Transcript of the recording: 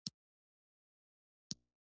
د نړۍ په هر ځای کې ډول ډول دودونه شته.